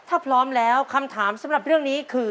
ถ้าพร้อมแล้วคำถามสำหรับเรื่องนี้คือ